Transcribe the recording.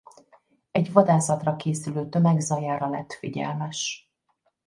Egy vadászatra készülő tömeg zajára lett figyelmes.